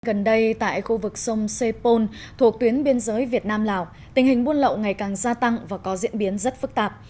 gần đây tại khu vực sông sepol thuộc tuyến biên giới việt nam lào tình hình buôn lậu ngày càng gia tăng và có diễn biến rất phức tạp